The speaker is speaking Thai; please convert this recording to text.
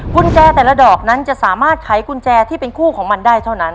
กุญแจแต่ละดอกนั้นจะสามารถไขกุญแจที่เป็นคู่ของมันได้เท่านั้น